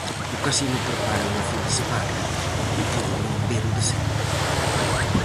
O casino prepara unha fin de semana "por non ver o de sempre".